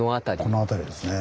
この辺りですね。